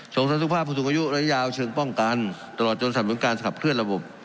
ส่งสรรค์สุขภาพผู้สูงอายุระยะยาวเชิงป้องกันตลอดจนสรรควิวงการสกับเครื่องระบบ